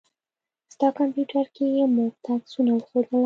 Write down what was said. ستا کمپيوټر کې يې موږ ته عکسونه وښودله.